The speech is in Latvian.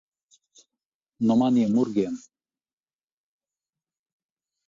No maniem murgiem.